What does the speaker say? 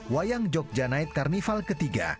wayang jogja night carnival ketiga